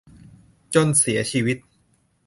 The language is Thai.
จนเสียชีวิต